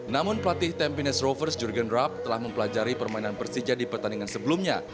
namun pelatih tampines rovers jurgen rub telah mempelajari permainan persija di pertandingan sebelumnya